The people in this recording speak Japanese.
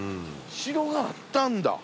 城があったんだ。